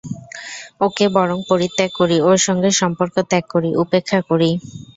ওকে বরং পরিত্যাগ করি, ওর সঙ্গে সম্পর্ক ত্যাগ করি, উপেক্ষা করি।